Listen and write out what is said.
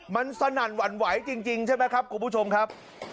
มันสนั่นหวั่นไหวจริงใช่ไหมครับคุณผู้ชมครับ